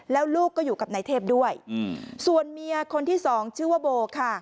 แล้วลูกก็อยู่กับนายเทพด้วยส่วนเมียคนที่สองชื่อว่าโบค่ะ